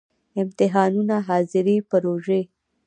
امتحانونه، ،حاضری، پروژی